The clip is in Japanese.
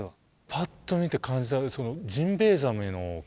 パッと見て感じた。